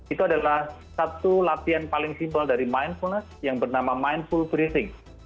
itu adalah satu latihan paling simple dari mindfulness yang bernama mindful briefing